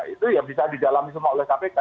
itu ya bisa didalami semua oleh kpk